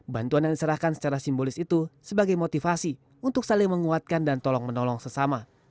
bantuan yang diserahkan secara simbolis itu sebagai motivasi untuk saling menguatkan dan tolong menolong sesama